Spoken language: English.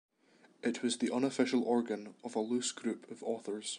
It was the unofficial organ of a loose group of authors.